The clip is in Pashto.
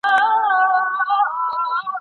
دا موضوع زما د ژوند تر ټولو مهمه موضوع ده.